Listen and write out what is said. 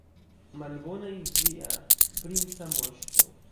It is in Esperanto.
Malbonaj, via princa moŝto!